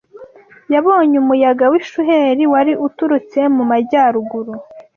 yabonye umuyaga w’ishuheri wari utururtse mu majyaruguru